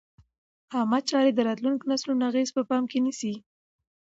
عامه چارې د راتلونکو نسلونو اغېز په پام کې نیسي.